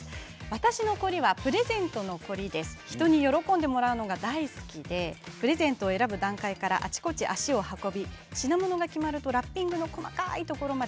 私の凝りはプレゼントの凝り人に喜んでもらうのが大好きでプレゼントを選ぶ段階からあちこち足を運び品物が決まるとラッピングを細かいところまで。